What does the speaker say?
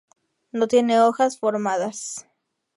No tiene hojas formadas.